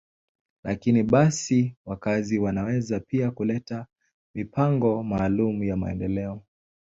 Lakini basi, wakazi wanaweza pia kuleta mipango maalum ya maendeleo.